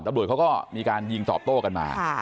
ตำรวจเขาก็มีการยิงตอบโต้กันมา